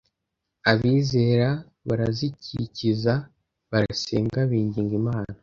abizera barazikikiza barasenga binginga Imana